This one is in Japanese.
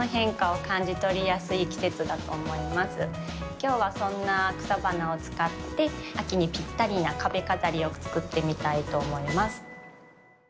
今日はそんな草花を使って秋にぴったりな壁飾りをつくってみたいと思います。